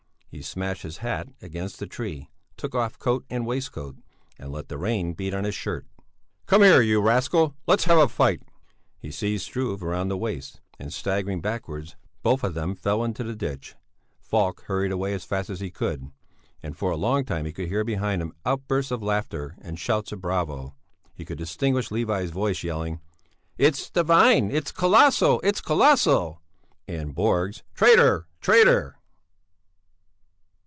He smashed his hat against the tree, took off coat and waistcoat, and let the rain beat on his shirt. "Come here, you rascal! Let's have a fight!" He seized Struve round the waist, and, staggering backwards, both of them fell into the ditch. Falk hurried away as fast as he could. And for a long time he could hear behind him outbursts of laughter and shouts of bravo. He could distinguish Levi's voice yelling: "It's divine, it's colossal it's colossal!" And Borg's: "Traitor! Traitor!"